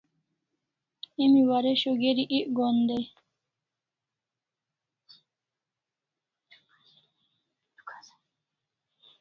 Emi waresho geri ek gohan dai